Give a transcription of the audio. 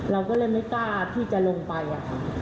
เราก็เลยไม่กล้าที่จะลงไปอะค่ะ